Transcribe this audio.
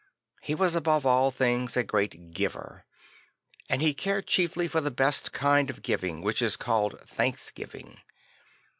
He was above all things a great giver; and he cared chiefly for the best kind of giving which is called thanks giving.